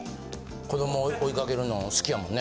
子供を追いかけるの好きやもんね？